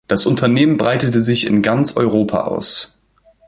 Das Unternehmen breitete sich in ganz Europa aus.